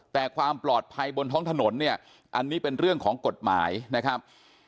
แต่ความปลอดภัยบนท้องถนนเนี่ยอันนี้เป็นเรื่องของกฎหมายนะครับ